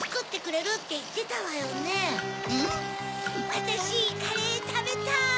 わたしカレーたべたい。